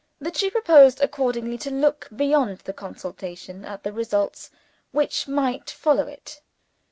That she proposed, accordingly, to look, beyond the consultation, at the results which might follow it.